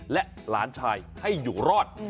และหลานชายให้อยู่รอด